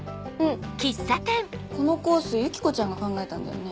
このコースユキコちゃんが考えたんだよね？